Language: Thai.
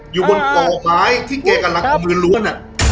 อยู่บนก่อไม้ที่แกกำลังเอามือล้วน